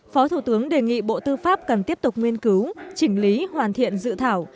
phó thủ tướng đề nghị bộ tư pháp cần tiếp tục nguyên cứu chỉnh lý hoàn thiện dự thảo